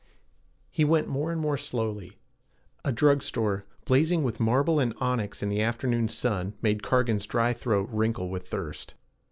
He went more and more slowly. A drug store, blazing with marble and onyx in the afternoon sun, made Cargan's dry throat wrinkle with thirst.